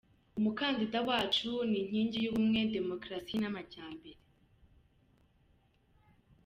Umukandida wacu ni inking y’ubumwe, demokarasi n’amajyambere.